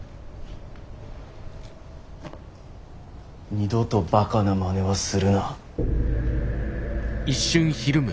二度とバカなまねはするな。